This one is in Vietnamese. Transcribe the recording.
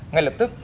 ngay lập tức